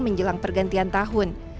menjelang pergantian tahun